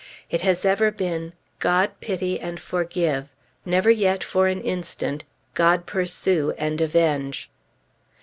It has ever been, "God pity and forgive!" never yet for an instant, "God pursue and avenge!"